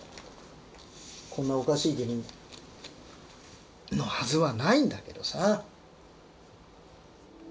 こんなおかしい国のはずはないんだけどさ。